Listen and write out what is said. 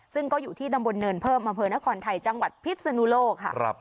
ซึ่งก็อยู่ที่ตำบลเนินเพิ่มอำเภอนครไทยจังหวัดพิษนุโลกค่ะ